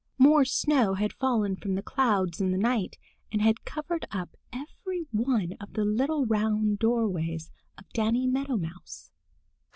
More snow had fallen from the clouds in the night and had covered up every one of the little round doorways of Danny Meadow Mouse.